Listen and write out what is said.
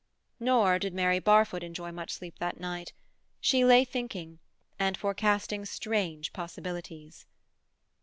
Nor did Mary Barfoot enjoy much sleep that night. She lay thinking, and forecasting strange possibilities.